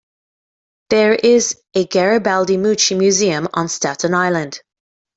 There is a Garibaldi-Meucci museum on Staten Island.